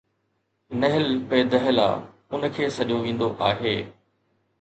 نهل پي دهلا ان کي سڏيو ويندو آهي.